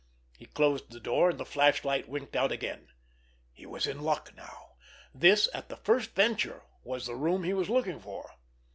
He closed the door, and the flashlight winked out again. He was in luck now! This, at the first venture, was the room he was looking for.